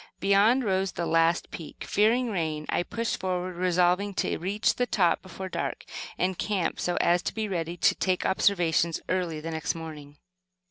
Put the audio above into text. Beyond, rose the last peak. Fearing rain, I pushed forward, resolving to reach the top before dark, and camp, so as to be ready to take observations early the next morning.